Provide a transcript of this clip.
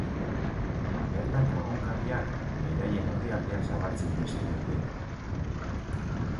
Bertako egunkariak beraien orrialdeak zabaltzen dizkiote.